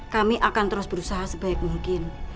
kami akan terus berusaha sebaik mungkin